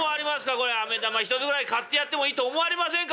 これ飴玉一つぐらい買ってやってもいいと思われませんか？